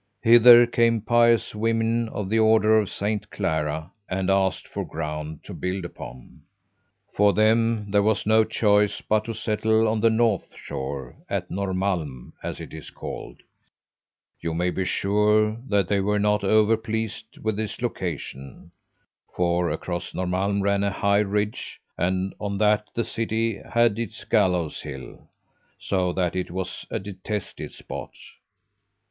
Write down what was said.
Hither came pious women of the Order of Saint Clara and asked for ground to build upon. For them there was no choice but to settle on the north shore, at Norrmalm, as it is called. You may be sure that they were not over pleased with this location, for across Norrmalm ran a high ridge, and on that the city had its gallows hill, so that it was a detested spot.